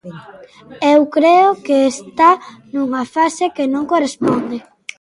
Eu creo que está nunha fase que non corresponde.